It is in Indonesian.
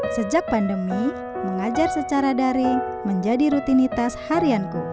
sejak pandemi mengajar secara daring menjadi rutinitas harianku